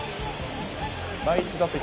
第１打席。